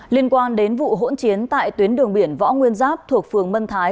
liên quan đến vụ hỗn chiến tại tuyến đường biển võ nguyên giáp thuộc phường mân thái